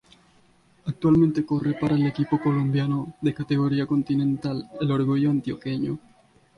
Actualmente corre para el equipo colombiano de categoría continental el Orgullo Antioqueño.